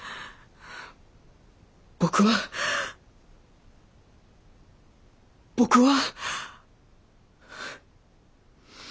僕は僕は。